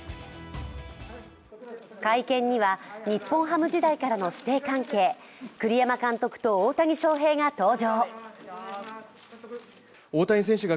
会見には、日本ハム時代からの師弟関係、栗山監督と大谷翔平が登場。